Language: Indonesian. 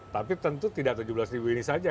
tapi tentu tidak tujuh belas ribu ini saja